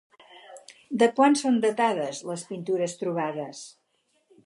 De quan són datades les pintures trobades?